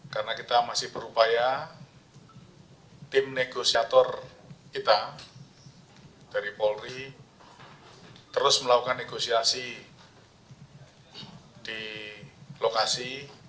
karena kita masih berupaya tim negosiator kita dari polri terus melakukan negosiasi di lokasi